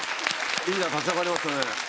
リーダー立ち上がりましたね。